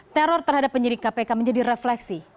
teror terhadap penyidik kpk menjadi refleksi